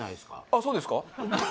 あっそうですか？